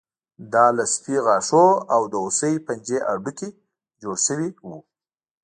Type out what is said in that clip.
دا له سپي غاښونو او د هوسۍ پنجې هډوکي جوړ شوي وو